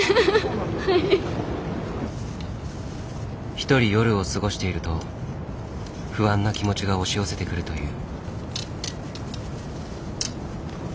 一人夜を過ごしていると不安な気持ちが押し寄せてくるという。